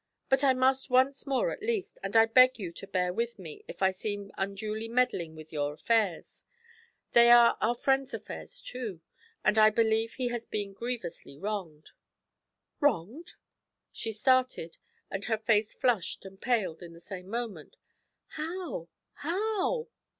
'But I must once more at least, and I beg you to bear with me if I seem unduly meddling with your affairs; they are our friend's affairs too, and I believe he has been grievously wronged.' 'Wronged?' She started, and her face flushed and paled in the same moment. 'How how?'